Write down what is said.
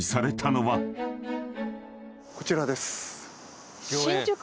こちらです。